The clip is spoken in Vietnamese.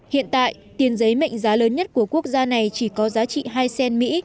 hiện tại tiền giấy mệnh giá lớn nhất của quốc gia này chỉ có giá trị hai cent mỹ